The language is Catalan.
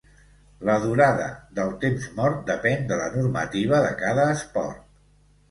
La durada del temps mort depèn de la normativa de cada esport.